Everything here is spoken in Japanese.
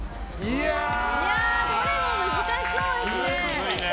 どれも難しそうですね。